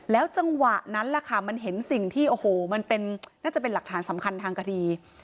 จังหวะนั้นแหละค่ะมันเห็นสิ่งที่โอ้โหมันน่าจะเป็นหลักฐานสำคัญทางคดี